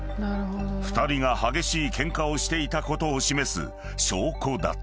［２人が激しいケンカをしていたことを示す証拠だった］